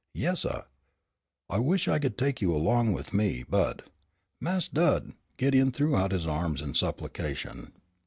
"Yes, suh." "I wish I could take you along with me. But " "Mas' Dud," Gideon threw out his arms in supplication.